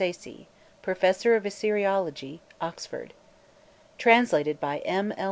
SAYCE, Professor of Assyriology, Oxford Translated by M. L.